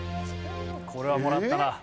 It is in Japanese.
これはもらったな。